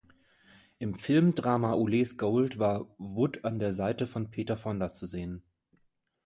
Im Filmdrama "Ulee’s Gold" war Wood an der Seite von Peter Fonda zu sehen.